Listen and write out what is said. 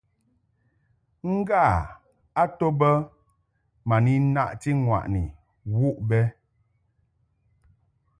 Ngâ a to bə ma ni naʼti ŋwàʼni wuʼ bə.